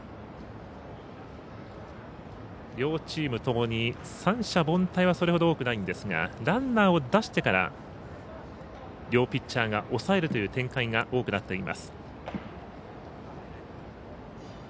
両チームともに三者凡退はそれほど多くないんですがランナーを出してから両ピッチャーが抑えるという展開が多くなっています。